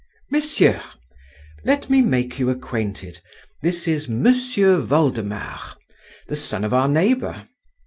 Messieurs, let me make you acquainted: this is M'sieu Voldemar, the son of our neighbour.